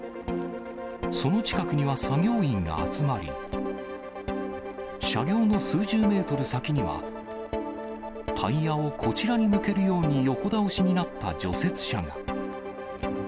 その近くには作業員が集まり、車両の数十メートル先には、タイヤをこちらに向けるように横倒しになった除雪車が。